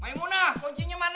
maimunah kuncinya mana